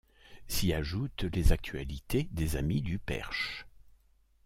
S'y ajoute les actualités des Amis du Perche.